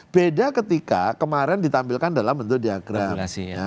beda ketika kemarin ditampilkan dalam bentuk diagram